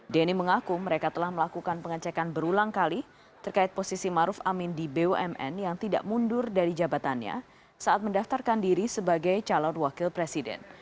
denny mengaku mereka telah melakukan pengecekan berulang kali terkait posisi maruf amin di bumn yang tidak mundur dari jabatannya saat mendaftarkan diri sebagai calon wakil presiden